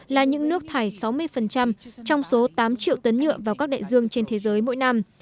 là những nước thải sáu mươi trong số tám triệu tấn nhựa vào các đại dương trên thế giới mỗi năm